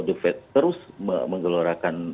the fed terus mengeluarakan